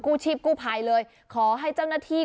ชีพกู้ภัยเลยขอให้เจ้าหน้าที่